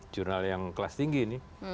jurnal yang kelas tinggi ini